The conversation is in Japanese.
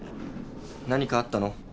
何かあったの？